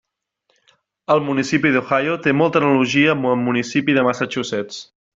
El municipi d'Ohio té molta analogia amb el municipi de Massachusetts.